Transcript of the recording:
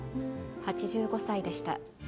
８５歳でした。